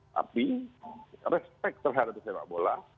tapi respect terhadap sepak bola